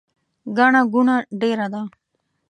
ګڼه ګوڼه ډیره ده